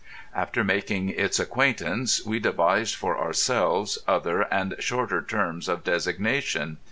After making its acquaintance we devised for ourselves other and shorter terms of designation.